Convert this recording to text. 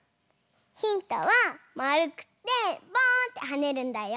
ヒントはまるくてポーンってはねるんだよ。